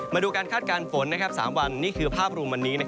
มาดูการคาดการณ์ฝน๓วันนี่คือภาพรวมวันนี้